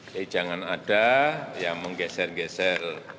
jadi jangan ada yang menggeser geser